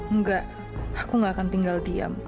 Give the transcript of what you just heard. enggak aku gak akan tinggal diam